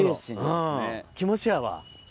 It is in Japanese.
うん気持ちやわ。